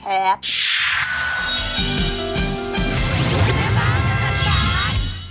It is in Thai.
เฮ่ยบ้าน้ำจีบ